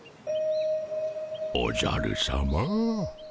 おじゃるさま。